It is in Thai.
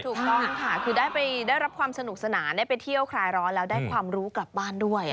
ถูกต้องค่ะคือได้รับความสนุกสนานได้ไปเที่ยวคลายร้อนแล้วได้ความรู้กลับบ้านด้วย